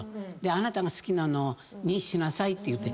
あなたが好きなのにしなさいって言って。